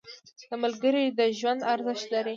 • ملګری د ژوند ارزښت لري.